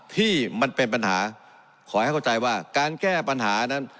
ที่มันเป็นปัญหาขอให้เข้าใจว่าการแก้ปัญหานั้น